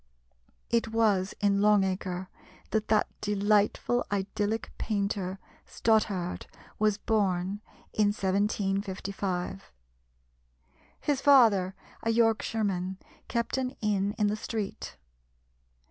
It was in Long Acre that that delightful idyllic painter, Stothard, was born in 1755. His father, a Yorkshireman, kept an inn in the street.